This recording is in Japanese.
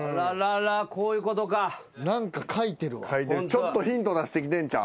ちょっとヒント出してきてんちゃう？